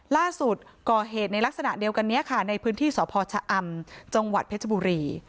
ล่าสุดก่อเหตุในลักษณะเดียวกันนี้ค่ะในพื้นที่สพชะอำจังหวัดเพชรบุรี